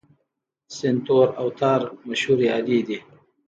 سنتور او تار مشهورې الې دي.